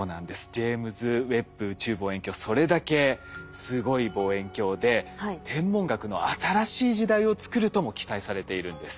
ジェイムズ・ウェッブ宇宙望遠鏡それだけすごい望遠鏡で天文学の新しい時代をつくるとも期待されているんです。